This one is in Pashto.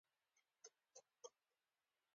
هغه به د جنت تماشه کوي.